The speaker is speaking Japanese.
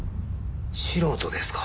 素人ですか？